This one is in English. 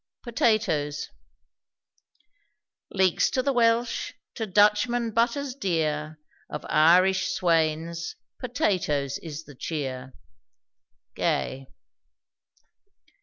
POTATOES. Leeks to the Welsh, to Dutchmen butter's dear; Of Irish swains, potatoes is the cheer. GAY.